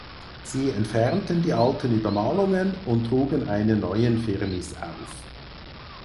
Sie entfernten die alten Übermalungen und trugen einen neuen Firnis auf.